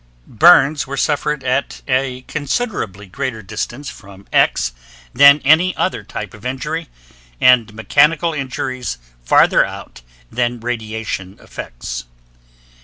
Burns were suffered at a considerable greater distance from X than any other type of injury, and mechanical injuries farther out than radiation effects.